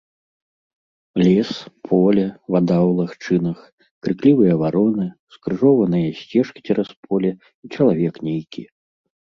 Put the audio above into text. Лес, поле, вада ў лагчынах, крыклівыя вароны, скрыжованыя сцежкі цераз поле, і чалавек нейкі.